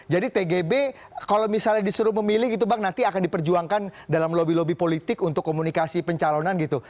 jadi tgb kalau misalnya disuruh memilih gitu bang nanti akan diperjuangkan dalam lobi lobi politik untuk komunikasi pencalonan gitu